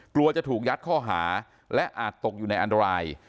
กลัวจะถูกยัดข้อหาและอาจตกอยู่ในอันตราย